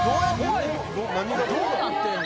・何がどうなってんの？